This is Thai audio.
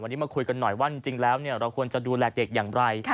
วันนี้มาคุยกันหน่อยว่าจริงแล้วเราควรจะดูแลเด็กอย่างไร